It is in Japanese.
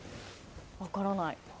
分からない。